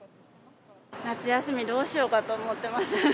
夏休みどうしようかと思ってます。